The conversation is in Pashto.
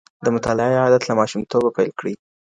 د مطالعې عادت له ماشومتوبه پيل کړئ.